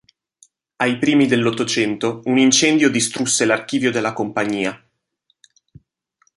Ai primi dell'Ottocento un incendio distrusse l'archivio della Compagnia.